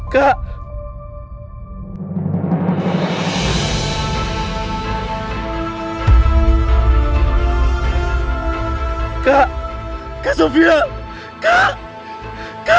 kak kak sofia kak kak